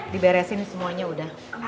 diberesin semuanya udah